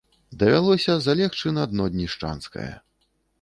Давялося залегчы на дно днішчанскае.